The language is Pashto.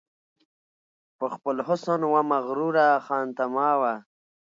په خپل حسن وه مغروره خانتما وه